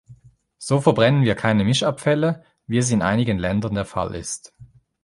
So verbrennen wir keine Mischabfälle, wie es in einigen Ländern der Fall ist.